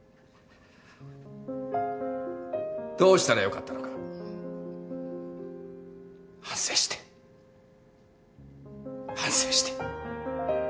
どうしたらよかったのか反省して反省して。